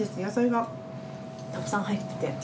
野菜がたくさん入ってて。